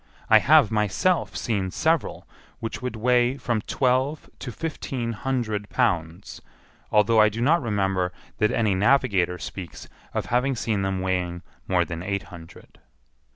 I have myself seen several which would weigh from twelve to fifteen hundred pounds, although I do not remember that any navigator speaks of having seen them weighing more than eight hundred.